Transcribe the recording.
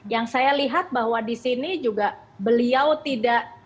yang saya lihat bahwa di sini juga beliau tidak